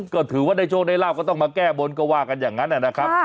ก็ถือว่าได้โชคได้ลาบก็ต้องมาแก้บนก็ว่ากันอย่างนั้นนะครับ